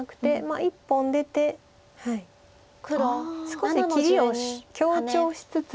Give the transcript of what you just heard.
少し切りを強調しつつ。